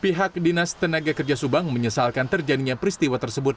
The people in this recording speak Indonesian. pihak dinas tenaga kerja subang menyesalkan terjadinya peristiwa tersebut